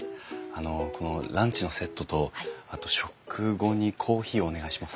あのこのランチのセットとあと食後にコーヒーをお願いします。